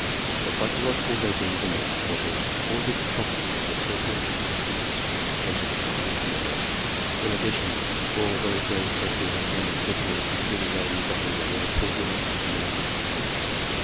The psychological rating of a man was reported promptly to the personnel adjutant and to the company commander. In addition, all low grade cases and men exhibiting peculiarities of behavior were reported also to the medical officer.